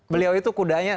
beliau itu kudanya